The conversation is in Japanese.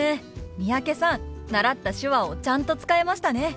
三宅さん習った手話をちゃんと使えましたね。